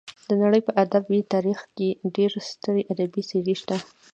د نړۍ په ادبي تاریخ کې ډېرې سترې ادبي څېرې شته.